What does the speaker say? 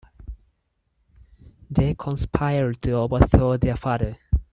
They conspired to overthrow their father.